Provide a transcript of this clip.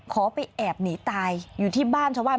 ขอไปแอบหนีตายอยู่ที่บ้านชาวบ้าน